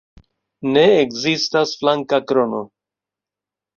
Ne ekzistas flanka krono.